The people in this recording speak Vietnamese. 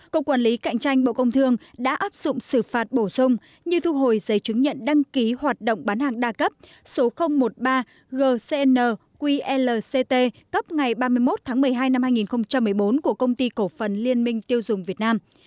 cục quản lý cạnh tranh bộ công thương đã áp dụng xử phạt bổ sung như thu hồi giấy chứng nhận đăng ký hoạt động bán hàng đa cấp số một mươi ba gn qlct cấp ngày ba mươi một tháng một mươi hai năm hai nghìn một mươi bốn của công ty cổ phần liên minh tiêu dùng việt nam